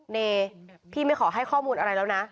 เนพี่ไม่ขอให้ข้อมูลอะไรแล้วนะ